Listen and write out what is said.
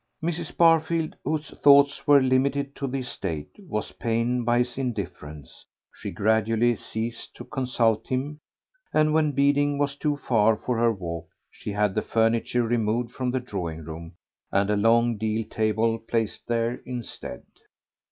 Mrs. Barfield, whose thoughts were limited to the estate, was pained by his indifference; she gradually ceased to consult him, and when Beeding was too far for her to walk she had the furniture removed from the drawing room and a long deal table placed there instead.